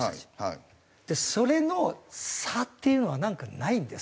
それの差っていうのはなんかないんですか？